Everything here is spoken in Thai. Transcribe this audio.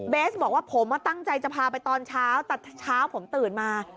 บอกว่าผมตั้งใจจะพาไปตอนเช้าแต่เช้าผมตื่นมา